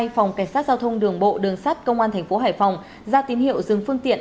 phòng cảnh sát giao thông đường bộ đường sát công an thành phố hải phòng ra tín hiệu dừng phương tiện